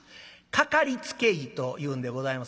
かかりつけ医というんでございますかね。